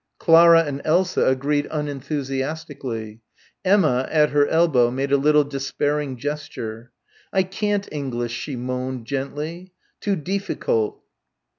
Clara and Elsa agreed unenthusiastically. Emma, at her elbow, made a little despairing gesture, "I can't English," she moaned gently, "too deeficult."